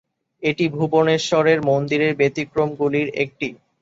এটি ভুবনেশ্বরের মন্দিরের ব্যতিক্রম গুলির একটি।